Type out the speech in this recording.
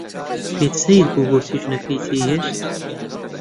پێی سەیر بوو بۆچی ژنەکەی جێی هێشت.